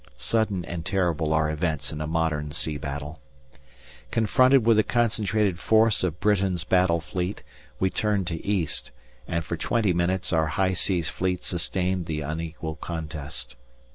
Sudden and terrible are events in a modern sea battle. Confronted with the concentrated force of Britain's Battle Fleet we turned to east, and for twenty minutes our High Seas Fleet sustained the unequal contest.